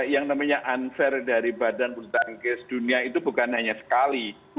yang namanya unfair dari badan bulu tangkis dunia itu bukan hanya sekali